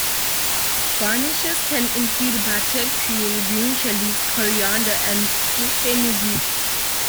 Garnishes can include butter, cream, green chillies, coriander, and fenugreek.